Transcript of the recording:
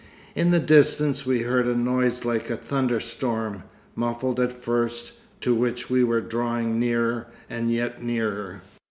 In the distance we heard a noise like a thunderstorm, muffled at first, to which we were drawing nearer and yet nearer.